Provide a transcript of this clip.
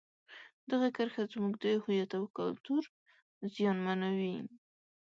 دغه کرښه زموږ د هویت او کلتور زیانمنوي.